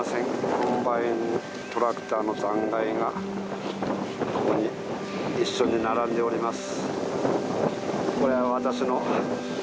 コンバイントラクターの残骸がここに一緒に並んでおります